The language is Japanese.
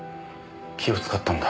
気を使ったんだ。